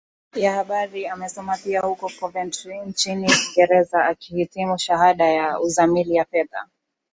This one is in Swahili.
ya Habari Amesoma pia huko Coventry nchini Uingereza akihitimu Shahada ya Uzamili ya Fedha